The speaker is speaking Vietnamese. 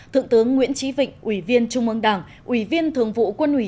thượng tướng nguyễn trí vịnh ủy viên trung ương đảng ủy viên thường vụ quân ủy